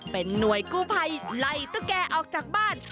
เป็นหน่วยกู้ภัยไล่ตุ๊กแก่ออกจากบ้าน